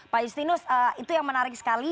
pak justinus itu yang menarik sekali